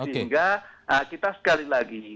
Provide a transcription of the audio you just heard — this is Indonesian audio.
sehingga kita sekali lagi